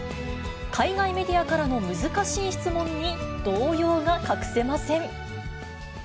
海外メディアからの難しい質問に動揺が隠せません。